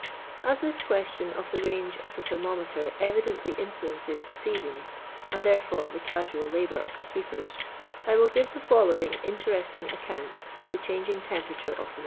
As this question of the rang>.' of the ther ronnieter evidently intinences the jiea^uns, ar<d therefore, thecasu.il labour of the sweepers. I will give the ftdlowini* interesting account of the changing temperature of the ni